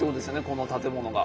この建物が。